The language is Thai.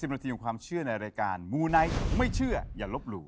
นาทีของความเชื่อในรายการมูไนท์ไม่เชื่ออย่าลบหลู่